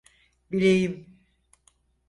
Bileğim!